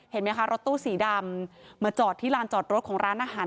เห็นไหมคะรถตู้สีดำมาจอดที่ลานจอดรถของร้านอาหาร